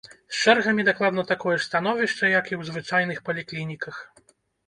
З чэргамі дакладна такое ж становішча як і ў звычайных паліклініках.